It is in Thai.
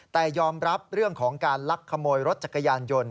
แต่ยอมรับเรื่องของการลักขโมยรถจักรยานยนต์